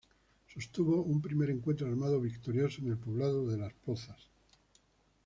Sostuvo un primer encuentro armado victorioso en el poblado de Las Pozas.